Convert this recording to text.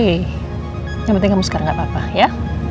yang penting kamu sekarang gak apa apa ya